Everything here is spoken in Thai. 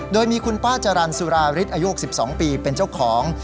โดยมีคุณป้าจรรย์สุราฤทธิอายุ๑๒ปีเป็นเจ้าของ